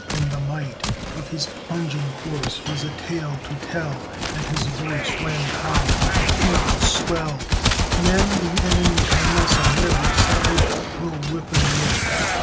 And the might Of his plunging horse was a tale to tell, And his voice rang high like a bugle's swell; "Men, the enemy hem us on every side; We'll whip 'em yet!